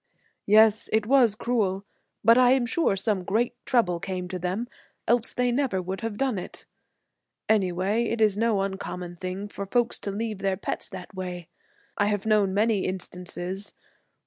"Yes, it was cruel, but I am sure some great trouble came to them else they never would have done it. Anyway, it is no uncommon thing for folks to leave their pets that way; I have known many instances.